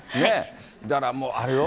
だからもう、あれよ。